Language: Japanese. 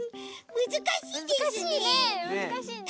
むずかしいですね。